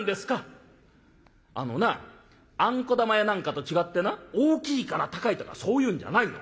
「あのなあんこ玉やなんかと違ってな大きいから高いとかそういうんじゃないの。